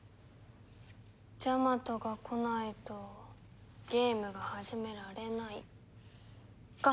ジャマトが来ないとゲームが始められないか。